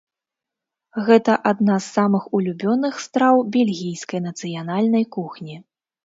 Гэта адна з самых улюбёных страў бельгійскай нацыянальнай кухні.